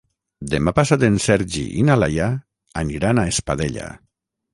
Demà passat en Sergi i na Laia aniran a Espadella.